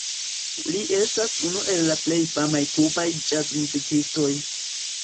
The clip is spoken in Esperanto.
Li estas unu el la plej famaj kubaj ĵazmuzikistoj.